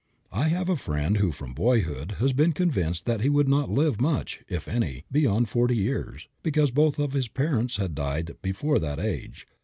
I have a friend who from boyhood has been convinced that he would not live much, if any, beyond forty years, because both his parents had died before that age.